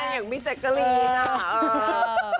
ใช่อย่างมิจักรีค่ะ